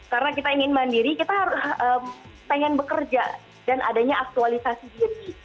karena kita ingin mandiri kita harus pengen bekerja dan adanya aktualisasi diri